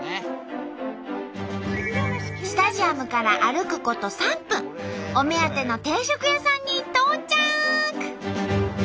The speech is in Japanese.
スタジアムから歩くこと３分お目当ての定食屋さんに到着！